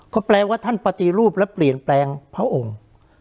ก็แปลว่าท่านปฏิรูปและเปลี่ยนแปลงพระองค์